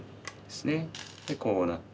でこうなって。